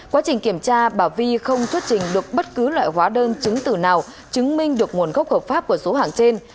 quá trình kiểm tra bà vi không xuất trình được bất cứ loại hóa đơn chứng tử nào chứng minh được nguồn gốc hợp pháp của số hàng trên